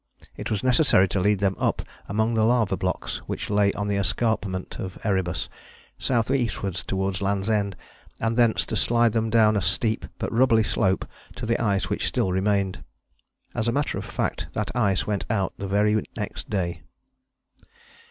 It was necessary to lead them up among the lava blocks which lay on the escarpment of Erebus, south eastwards towards Land's End, and thence to slide them down a steep but rubbly slope to the ice which still remained. As a matter of fact that ice went out the very next day.